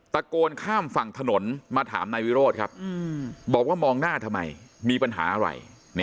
ตะโกนข้ามฝั่งถนนมาถามนายวิโรธครับบอกว่ามองหน้าทำไมมีปัญหาอะไร